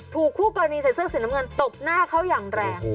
คู่กรณีใส่เสื้อสีน้ำเงินตบหน้าเขาอย่างแรง